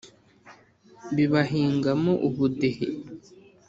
Bibahingamo ubudehe